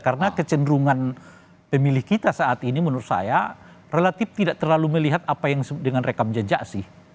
karena kecenderungan pemilih kita saat ini menurut saya relatif tidak terlalu melihat apa yang dengan rekam jejak sih